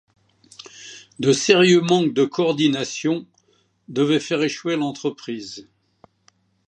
De sérieux manques de coordination devaient faire échouer l'entreprise.